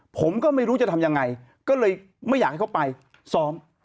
ผมก็ไม่รู้จะทำยังไงก็เลยไม่อยากให้เขาไปซ้อม